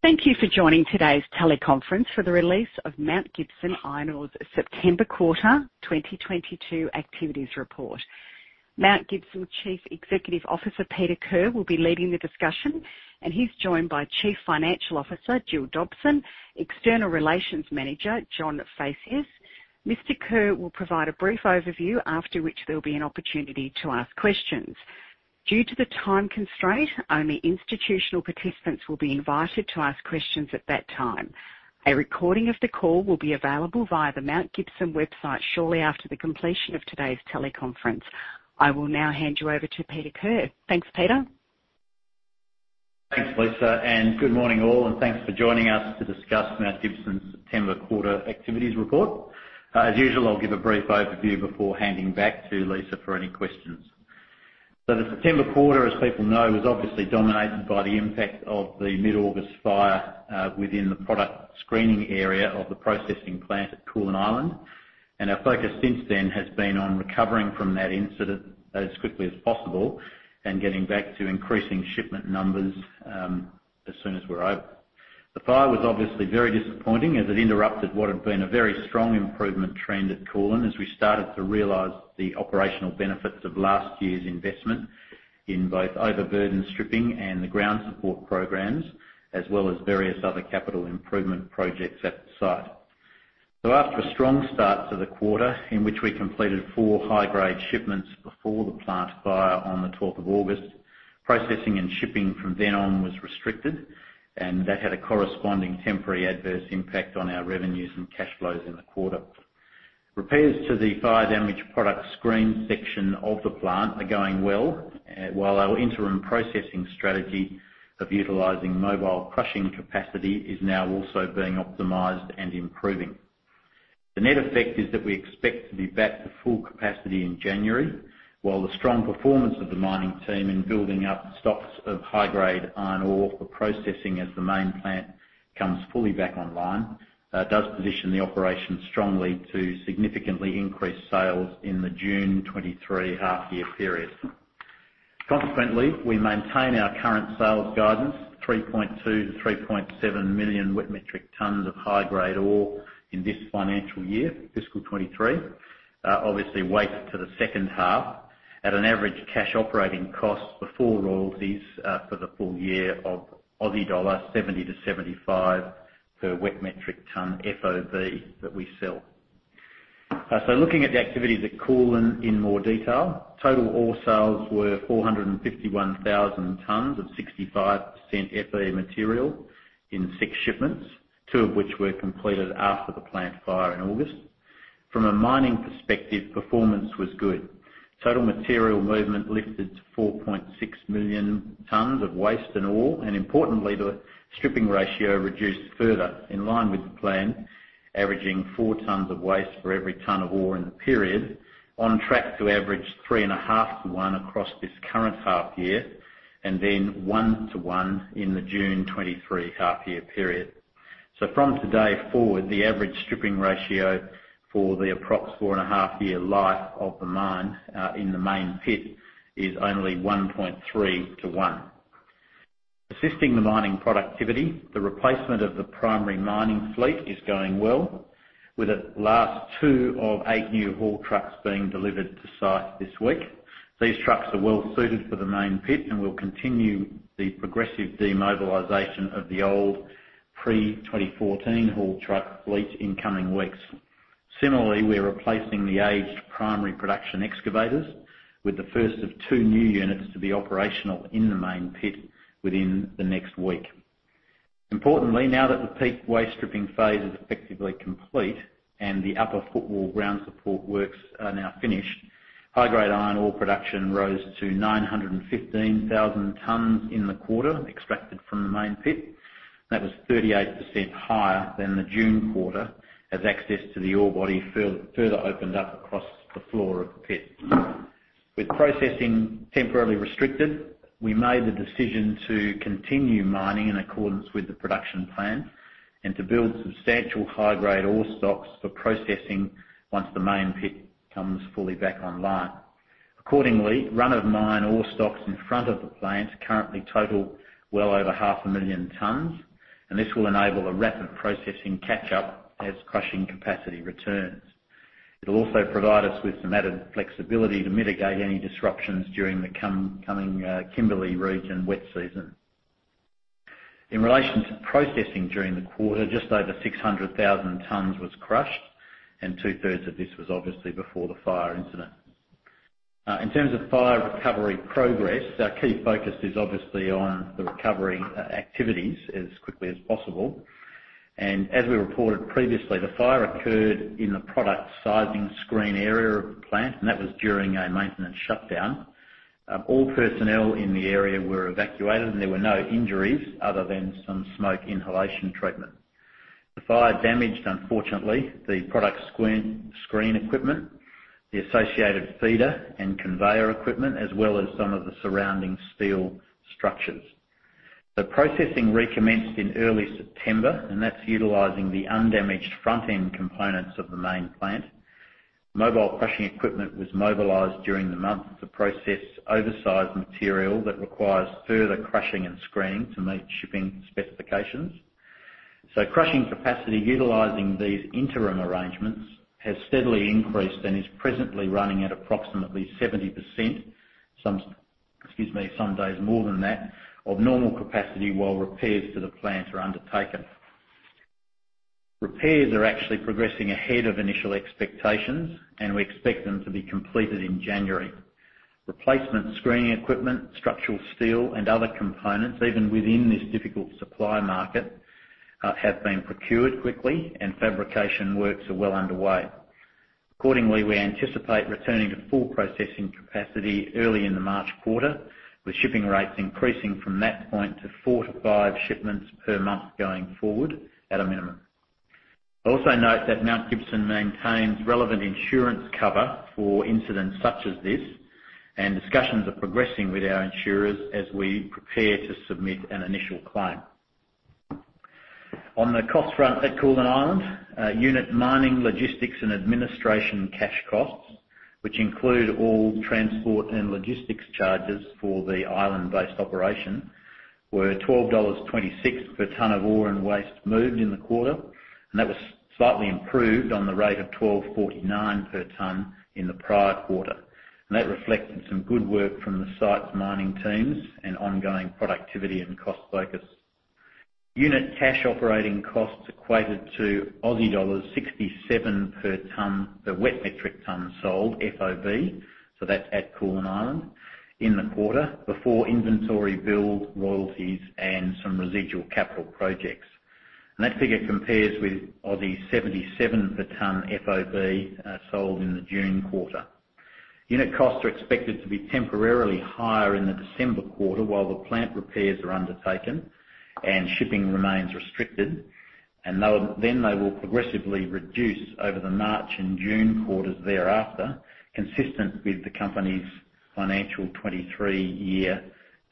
Thank you for joining today's teleconference for the release of Mount Gibson Iron's September quarter 2022 activities report. Mount Gibson Chief Executive Officer, Peter Kerr, will be leading the discussion, and he's joined by Chief Financial Officer, Gill Dobson, External Relations Manager, John Phaceas. Mr. Kerr will provide a brief overview, after which there'll be an opportunity to ask questions. Due to the time constraint, only institutional participants will be invited to ask questions at that time. A recording of the call will be available via the Mount Gibson website shortly after the completion of today's teleconference. I will now hand you over to Peter Kerr. Thanks, Peter. Thanks, Lisa, and good morning all, and thanks for joining us to discuss Mount Gibson's September quarter activities report. As usual, I'll give a brief overview before handing back to Lisa for any questions. The September quarter, as people know, was obviously dominated by the impact of the mid-August fire within the product screening area of the processing plant at Koolan Island. Our focus since then has been on recovering from that incident as quickly as possible and getting back to increasing shipment numbers as soon as we're over. The fire was obviously very disappointing as it interrupted what had been a very strong improvement trend at Koolan as we started to realize the operational benefits of last year's investment in both overburden stripping and the ground support programs, as well as various other capital improvement projects at the site. After a strong start to the quarter, in which we completed four high-grade shipments before the plant fire on the 12th of August, processing and shipping from then on was restricted, and that had a corresponding temporary adverse impact on our revenues and cash flows in the quarter. Repairs to the fire-damaged product screen section of the plant are going well, while our interim processing strategy of utilizing mobile crushing capacity is now also being optimized and improving. The net effect is that we expect to be back to full capacity in January, while the strong performance of the mining team in building up stocks of high-grade iron ore for processing as the main plant comes fully back online, does position the operation strongly to significantly increase sales in the June 2023 half year period. Consequently, we maintain our current sales guidance, 3.2 million-3.7 million wet metric tons of high-grade ore in this financial year, fiscal 2023. Obviously weighted to the second half at an average cash operating cost before royalties, for the full year of 70-75 Aussie dollar per wet metric ton FOB that we sell. Looking at the activities at Koolan in more detail, total ore sales were 451,000 tons of 65% FE material in six shipments, two of which were completed after the plant fire in August. From a mining perspective, performance was good. Total material movement lifted to 4.6 million tons of waste and ore, and importantly, the stripping ratio reduced further in line with the plan, averaging 4 tons of waste for every 1 ton of ore in the period, on track to average 3.5/1 across this current half year, and then 1/1 in the June 2023 half-year period. From today forward, the average stripping ratio for the approx 4.5 year life of the mine in the main pit is only 1.3/1. Assisting the mining productivity, the replacement of the primary mining fleet is going well, with the last two of eight new haul trucks being delivered to site this week. These trucks are well suited for the main pit and will continue the progressive demobilization of the old pre-2014 haul truck fleet in coming weeks. Similarly, we are replacing the aged primary production excavators with the first of two new units to be operational in the main pit within the next week. Importantly, now that the peak waste stripping phase is effectively complete and the upper footwall ground support works are now finished, high-grade iron ore production rose to 915,000 tons in the quarter, extracted from the main pit. That was 38% higher than the June quarter as access to the ore body further opened up across the floor of the pit. With processing temporarily restricted, we made the decision to continue mining in accordance with the production plan and to build substantial high-grade ore stocks for processing once the main pit comes fully back online. Run of mine ore stocks in front of the plant currently total well over 500,000 tons. This will enable a rapid processing catch up as crushing capacity returns. It'll also provide us with some added flexibility to mitigate any disruptions during the coming Kimberley region wet season. In relation to processing during the quarter, just over 600,000 tons was crushed. Two-thirds of this was obviously before the fire incident. In terms of fire recovery progress, our key focus is obviously on the recovery activities as quickly as possible. As we reported previously, the fire occurred in the product sizing screen area of the plant, and that was during a maintenance shutdown. All personnel in the area were evacuated and there were no injuries other than some smoke inhalation treatment. The fire damaged, unfortunately, the product screen equipment, the associated feeder and conveyor equipment, as well as some of the surrounding steel structures. The processing recommenced in early September, and that's utilizing the undamaged front end components of the main plant. Mobile crushing equipment was mobilized during the month to process oversized material that requires further crushing and screening to meet shipping specifications. Crushing capacity utilizing these interim arrangements has steadily increased and is presently running at approximately 70%, some days more than that, of normal capacity while repairs to the plant are undertaken. Repairs are actually progressing ahead of initial expectations. We expect them to be completed in January. Replacement screening equipment, structural steel, and other components, even within this difficult supply market, have been procured quickly and fabrication works are well underway. Accordingly, we anticipate returning to full processing capacity early in the March quarter, with shipping rates increasing from that point to 4 to 5 shipments per month going forward at a minimum. Also note that Mount Gibson maintains relevant insurance cover for incidents such as this. Discussions are progressing with our insurers as we prepare to submit an initial claim. On the cost front at Koolan Island, unit mining, logistics, and administration cash costs, which include all transport and logistics charges for the island-based operation, were 12.26 dollars per ton of ore and waste moved in the quarter. That was slightly improved on the rate of 12.49 per ton in the prior quarter. That reflected some good work from the site's mining teams and ongoing productivity and cost focus. Unit cash operating costs equated to Aussie dollars 67 per ton, the wet metric ton sold FOB, so that's at Koolan Island, in the quarter before inventory build, royalties, and some residual capital projects. That figure compares with 77 per ton FOB sold in the June quarter. Unit costs are expected to be temporarily higher in the December quarter while the plant repairs are undertaken and shipping remains restricted. Then they will progressively reduce over the March and June quarters thereafter, consistent with the company's financial 2023 year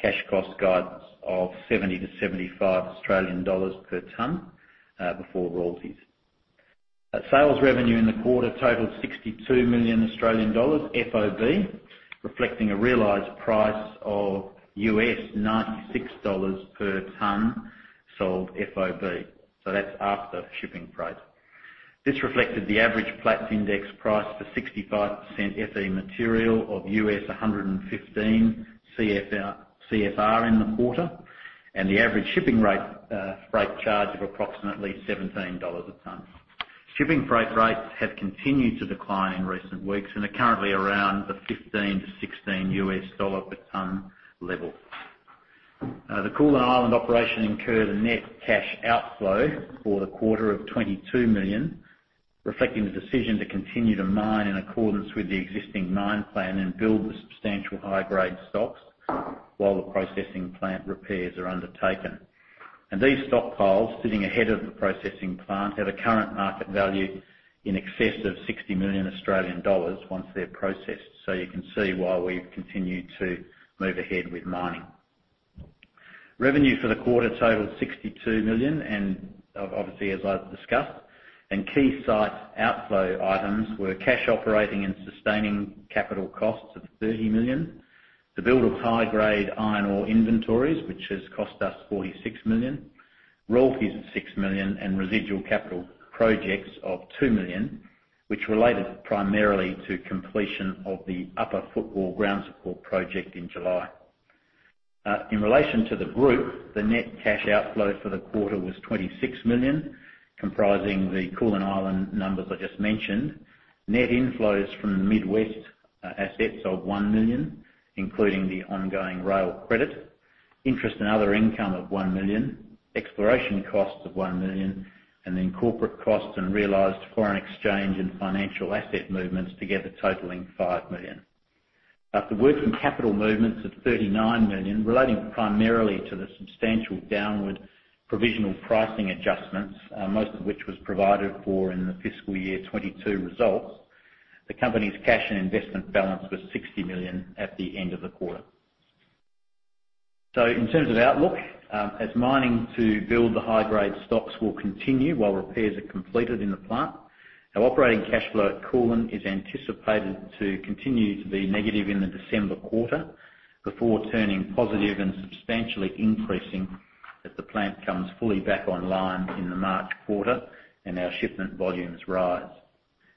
cash cost guidance of 70-75 Australian dollars per ton before royalties. Sales revenue in the quarter totaled 62 million Australian dollars FOB, reflecting a realized price of $96 per ton sold FOB. That's after shipping freight. This reflected the average Platts index price for 65% FE material of $115 CFR in the quarter, and the average shipping rate charge of approximately $17 a ton. Shipping freight rates have continued to decline in recent weeks and are currently around the $15-$16 per ton level. The Koolan Island operation incurred a net cash outflow for the quarter of 22 million, reflecting the decision to continue to mine in accordance with the existing mine plan and build the substantial high-grade stocks while the processing plant repairs are undertaken. These stockpiles, sitting ahead of the processing plant, have a current market value in excess of 60 million Australian dollars once they're processed. You can see why we've continued to move ahead with mining. Revenue for the quarter totaled 62 million, obviously as I've discussed, key site outflow items were cash operating and sustaining capital costs of 30 million, the build of high-grade iron ore inventories, which has cost us 46 million, royalties of 6 million, and residual capital projects of 2 million, which related primarily to completion of the upper footwall ground support project in July. In relation to the group, the net cash outflow for the quarter was 26 million, comprising the Koolan Island numbers I just mentioned. Net inflows from Midwest assets of 1 million, including the ongoing rail credit, interest and other income of 1 million, exploration costs of 1 million, and then corporate costs and realized foreign exchange and financial asset movements together totaling 5 million. After working capital movements of 39 million, relating primarily to the substantial downward provisional pricing adjustments, most of which was provided for in the fiscal year 2022 results, the company's cash and investment balance was AUD 60 million at the end of the quarter. In terms of outlook, as mining to build the high-grade stocks will continue while repairs are completed in the plant. Our operating cash flow at Koolan Island is anticipated to continue to be negative in the December quarter before turning positive and substantially increasing as the plant comes fully back online in the March quarter and our shipment volumes rise.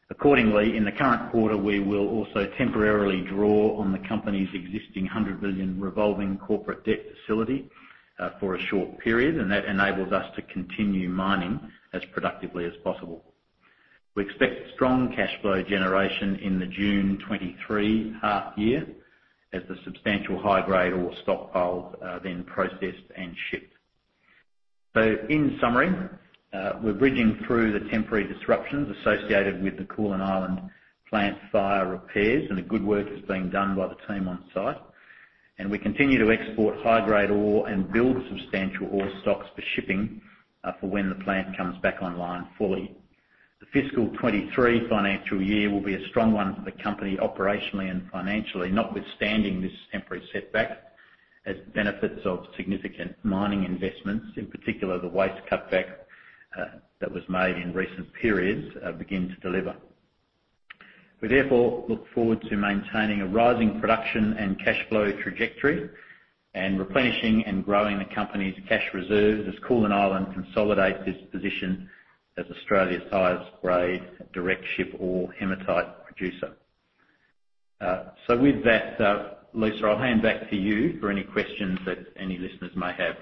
Accordingly, in the current quarter, we will also temporarily draw on the company's existing 100 million revolving corporate debt facility for a short period, and that enables us to continue mining as productively as possible. We expect strong cash flow generation in the June 2023 half year as the substantial high-grade ore stockpiles are then processed and shipped. In summary, we're bridging through the temporary disruptions associated with the Koolan Island plant fire repairs, and good work is being done by the team on site. We continue to export high-grade ore and build substantial ore stocks for shipping for when the plant comes back online fully. The fiscal 2023 financial year will be a strong one for the company operationally and financially, notwithstanding this temporary setback, as benefits of significant mining investments, in particular, the waste cutback, that was made in recent periods, begin to deliver. We therefore look forward to maintaining a rising production and cash flow trajectory and replenishing and growing the company's cash reserves as Koolan Island consolidates its position as Australia's highest-grade direct ship ore hematite producer. With that, Lisa, I'll hand back to you for any questions that any listeners may have.